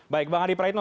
baik bang adi praetno